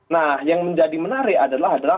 nah yang menjadi menarik adalah